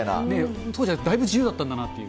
当時はだいぶ自由だったんだなっていう。